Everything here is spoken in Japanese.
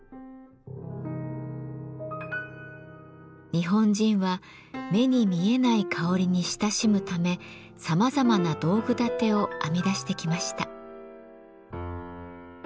日本人は目に見えない香りに親しむためさまざまな道具立てを編み出してきました。